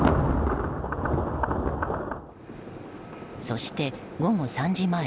そして午後３時前。